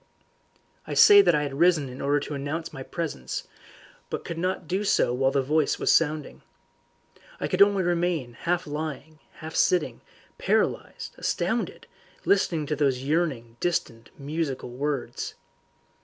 I say that I had risen in order to announce my presence, but I could not do so while the voice was sounding. I could only remain half lying, half sitting, paralysed, astounded, listening to those yearning distant musical words.